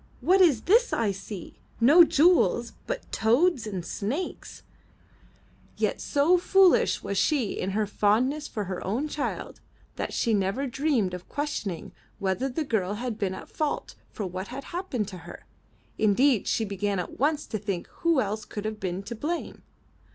"What is this I see? No jewels, but toads and snakes!" 326 UP ONE PAIR OF STAIRS Yet so foolish was she in her fondness for her own child, that she never dreamed of questioning whether the girl had been at fault for what had happened to her. Indeed she began at once to think who else could have been to blame.